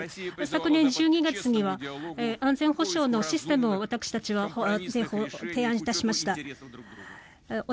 昨年１２月には安全保障のシステムを私たちは提案致しました。